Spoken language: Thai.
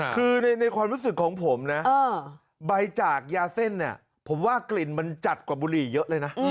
คือในความรู้สึกของผมนะใบจากยาเส้นเนี่ยผมว่ากลิ่นมันจัดกว่าบุหรี่เยอะเลยนะ